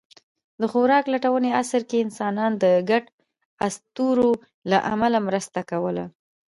د خوراک لټوني عصر کې انسانان د ګډو اسطورو له امله مرسته کوله.